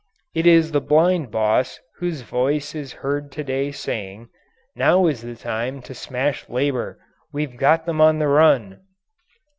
It is the blind boss whose voice is heard to day saying, "Now is the time to smash labour, we've got them on the run."